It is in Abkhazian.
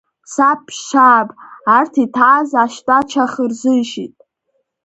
Саб Шьааб арҭ иҭааз ашьтәа чах рзишьит.